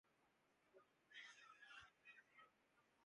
سینے میں کوئی پتھر تو نہیں احساس کا مارا، دل ہی تو ہے